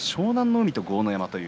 海と豪ノ山です。